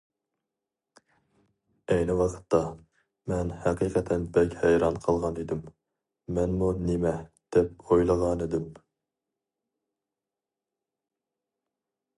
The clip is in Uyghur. ئەينى ۋاقىتتا، مەن ھەقىقەتەن بەك ھەيران قالغان ئىدىم.‹‹ مەنمۇ نېمە؟›› دەپ ئويلىغانىدىم.